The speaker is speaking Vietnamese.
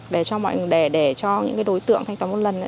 để cho mọi người để cho những đối tượng thanh toán một lần